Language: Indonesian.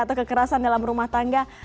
atau kekerasan dalam rumah tangga